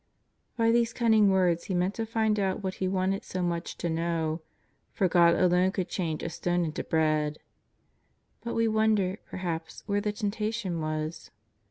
By these cunning words he meant to find out what he wanted so much to know, for God alone could change a stone into bread. But we wonder, perhaps, where the temptation was.